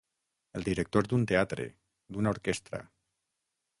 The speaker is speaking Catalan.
El director d'un teatre, d'una orquestra.